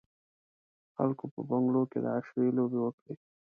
خلکو په بنګلو کې د عياشۍ لوبې وکړې.